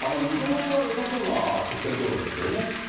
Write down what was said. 見通しはよさそうな直線道路ですよね。